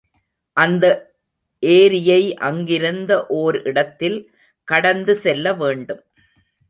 அந்த ஏரியை அங்கிருந்த ஓர் ஓடத்தில் கடந்து செல்ல வேண்டும்.